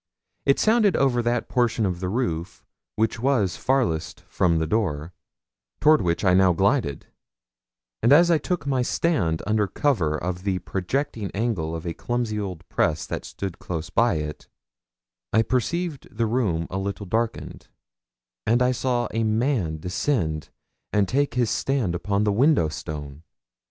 It sounded over that portion of the roof which was farthest from the door, toward which I now glided; and as I took my stand under cover of the projecting angle of a clumsy old press that stood close by it, I perceived the room a little darkened, and I saw a man descend and take his stand upon the window stone.